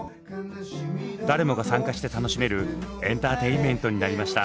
誰もが参加して楽しめるエンターテインメントになりました。